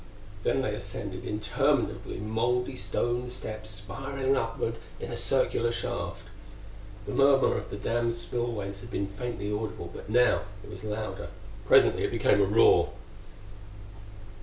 They then ascended interminable moldy stone steps spiraling upward in a circular shaft. The murmur of the dam's spillways had been faintly audible, but now it was louder, presently it became a roar.